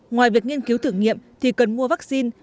ngoài việc nghiên cứu thử nghiệm thì cần mua vaccine